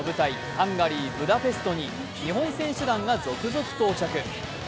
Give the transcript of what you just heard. ハンガリー・ブダペストに日本選手団が続々到着。